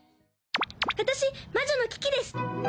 私魔女のキキです。